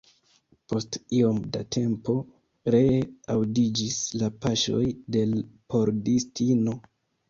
Post iom da tempo ree aŭdiĝis la paŝoj de l' pordistino.